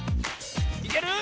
いける？